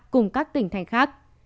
cùng các tỉnh thành khác